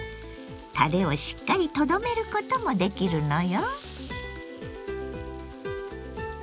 たれをしっかりとどめることもできるのよ。